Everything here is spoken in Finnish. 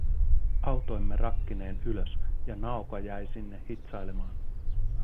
Autoimme rakkineen ylös ja Naoko jäi sinne hitsailemaan.